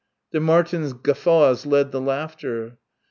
The Martins' guffaws led the laughter.